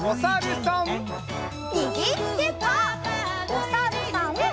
おさるさん。